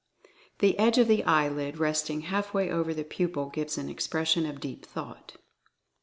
The edge of the eyelid resting half way over the pupil gives an expression of Deep Thought.